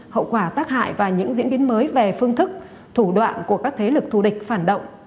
hậu quả tác hại và những diễn biến mới về phương thức thủ đoạn của các thế lực thù địch phản động